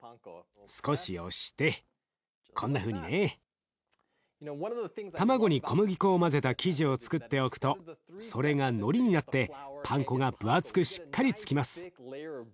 少し押してこんなふうにね。卵に小麦粉を混ぜた生地をつくっておくとそれがのりになってパン粉が分厚くしっかりつきます。